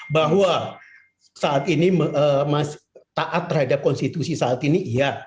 bahwa saat ini taat terhadap konstitusi saat ini iya